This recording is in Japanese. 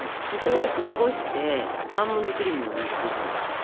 そこを残してアーモンドクリームを塗っていくんです。